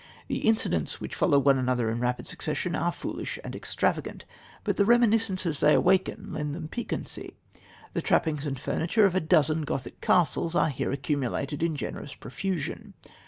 The incidents, which follow one another in rapid succession, are foolish and extravagant, but the reminiscences they awaken lend them piquancy. The trappings and furniture of a dozen Gothic castles are here accumulated in generous profusion.